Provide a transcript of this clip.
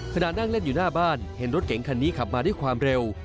ขณะนั่งเล่นอยู่หน้าบ้านเห็นรถเก๋งคันนี้ขับมาด้วยความเร็ว